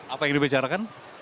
apa yang dibicarakan